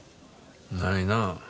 ないなあ。